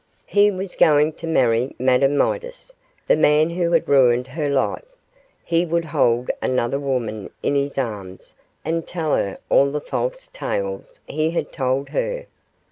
He was going to marry Madame Midas the man who had ruined her life; he would hold another woman in his arms and tell her all the false tales he had told her.